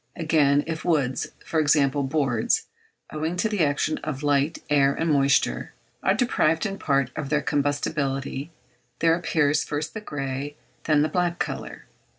Again, if woods for example, boards, owing to the action of light, air, and moisture, are deprived in part of their combustibility, there appears first the grey then the black colour.